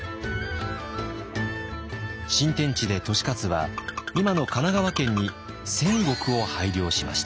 新天地で利勝は今の神奈川県に１，０００石を拝領しました。